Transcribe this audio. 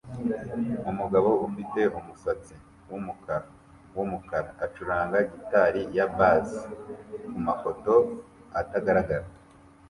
Umugabo ufite umusatsi wumukara wumukara acuranga gitari ya bass kumafoto atagaragara